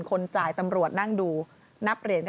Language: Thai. คนจ่ายตำรวจนั่งดูนับเหรียญกัน